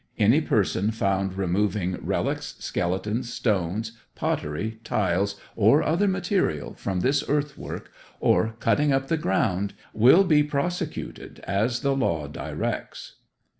Any Person found removing Relics, Skeletons, Stones, Pottery, Tiles, or other Material from this Earthwork, or cutting up the Ground, will be Prosecuted as the Law directs.